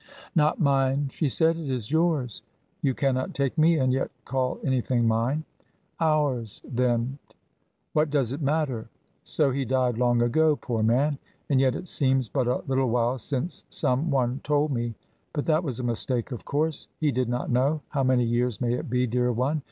"Not mine," she said. "It is yours. You cannot take me and yet call anything mine." "Ours, then, beloved. What does it matter? So he died long ago poor man! And yet, it seems but a little while since some one told me but that was a mistake, of course. He did not know. How many years may it be, dear one?